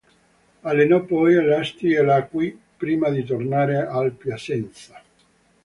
Allenò poi l'Asti e l'Acqui, prima di tornare al Piacenza.